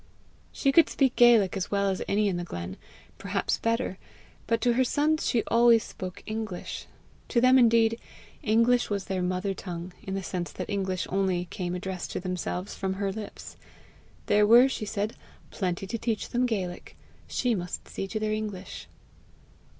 She could speak Gaelic as well as any in the glen perhaps better; but to her sons she always spoke English. To them indeed English was their mother tongue, in the sense that English only came addressed to themselves from her lips. There were, she said, plenty to teach them Gaelic; she must see to their English.